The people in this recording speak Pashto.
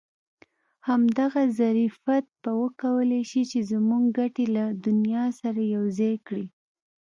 همدغه ظرفیت به وکولای شي چې زموږ ګټې له دنیا سره یو ځای کړي.